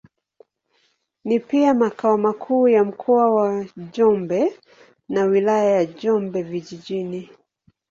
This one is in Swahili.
Ni pia makao makuu ya Mkoa wa Njombe na Wilaya ya Njombe Vijijini.